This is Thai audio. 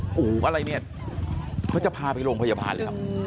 อูหูอะไรเนี่ยเขาจะพาไปโรงพยาบาลหรือเปล่า